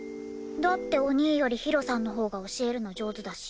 だってお兄よりひろさんのほうが教えるの上手だし。